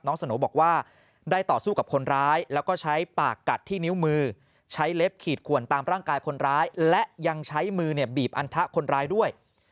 สโน่บอกว่าได้ต่อสู้กับคนร้ายแล้วก็ใช้ปากกัดที่นิ้วมือใช้เล็บขีดขวนตามร่างกายคนร้ายและยังใช้มือเนี่ยบีบอันทะคนร้ายด้วย